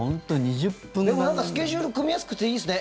でも、なんかスケジュールが組みやすくていいですね。